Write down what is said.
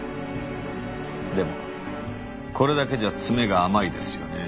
でもこれだけじゃ詰めが甘いですよね？